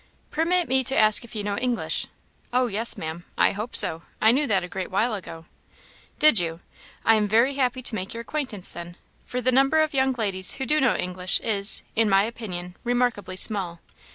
"Permit me to ask if you know English?" "Oh, yes, Maam, I hope so; I knew that a great while ago." "Did you? I am very happy to make your acquaintance then; for the number of young ladies who do know English is, in my opinion, remarkably small.